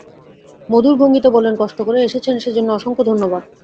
মধুর ভঙ্গিতে বললেন, কষ্ট করে এসেছেন সে জন্যে অসংখ্য ধন্যবাদ।